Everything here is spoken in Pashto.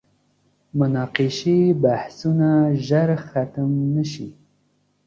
مناقشې بحثونه ژر ختم نه شي.